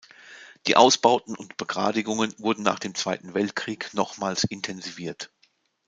Die Ausbauten und Begradigungen wurden nach dem Zweiten Weltkrieg nochmals intensiviert.